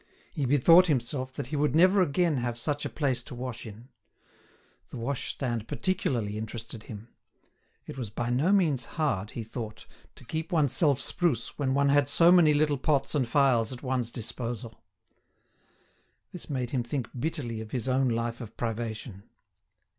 He bethought himself that he would never again have such a place to wash in. The washstand particularly interested him. It was by no means hard, he thought, to keep oneself spruce when one had so many little pots and phials at one's disposal. This made him think bitterly of his own life of privation.